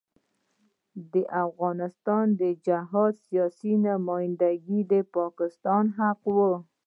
د افغانستان د جهاد سیاسي نمايندګي د پاکستان حق وو.